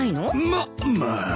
まっまあ。